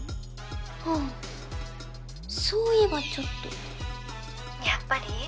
あっそういえばちょっと☎やっぱり？